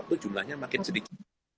ke waktu jumlahnya makin sedikit